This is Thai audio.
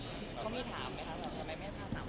เขามีถามไหมครับว่าทำไมไม่ให้พ่อสามารถเปิดตัว